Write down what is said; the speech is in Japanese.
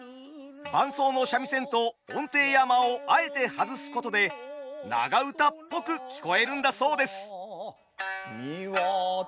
伴奏の三味線と音程や間をあえて外すことで長唄っぽく聞こえるんだそうです。